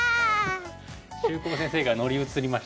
秀行先生が乗り移りましたか。